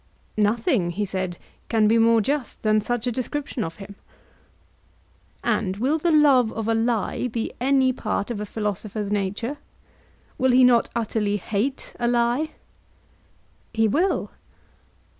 Nothing, he said, can be more just than such a description of him. And will the love of a lie be any part of a philosopher's nature? Will he not utterly hate a lie? He will.